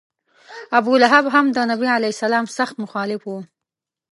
ابولهب هم د نبي علیه سلام سخت مخالف و.